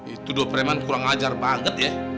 itu doh preman kurang ajar banget ya